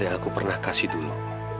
yang aku pernah kasih dulu